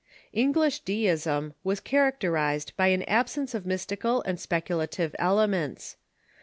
English Deism was cliaracterized by an absence of mystical and speculative elements.